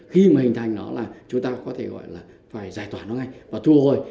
khi mà hình thành nó là chúng ta có thể gọi là phải giải tỏa nó ngay và thu hồi